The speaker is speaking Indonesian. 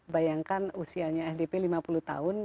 bayangkan usianya sdp lima puluh tahun